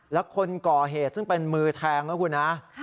แล้วคนก่อเหตุซึ่งเป็นมือแทงนะคุณนะ